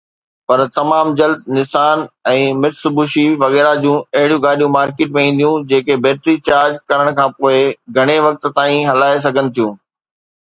پر تمام جلد نسان ۽ مٽسوبشي وغيره جون اهڙيون گاڏيون مارڪيٽ ۾ اينديون جيڪي بيٽري چارج ڪرڻ کانپوءِ گهڻي وقت تائين هلائي سگهن ٿيون.